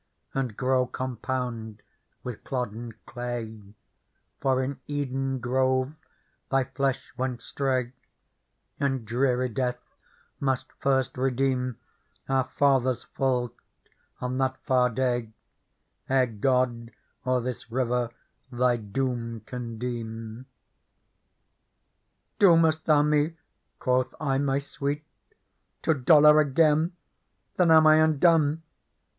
And grow compound with clod and clay ; For in Eden grove thy flesh went stray. And dreary death must first redeem Our father's fault on that far day, Ere God o'er this river thy doom can deem." Digitized by Google PEARL 16 " Doomest thou me/' quoth I, " my Sweet, To dolour again ? then ainl undone